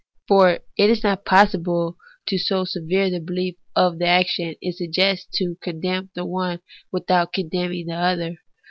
For it is not possible so to sever the belief from the action it suggests as to condemn the one without condemning the other.